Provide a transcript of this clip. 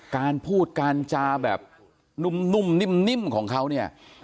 การพูดการจาแบบนุ่มนิ่มของเขาเนี่ย